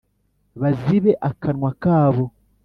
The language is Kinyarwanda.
bazibe akanwa kabo